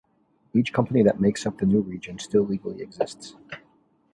Each company that makes up the new region still legally exists.